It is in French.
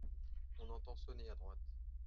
On entend sonner à droite.